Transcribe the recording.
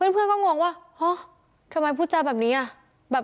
เพื่อนก็งงว่าเฮ้อทำไมพูดจาแบบนี้อ่ะ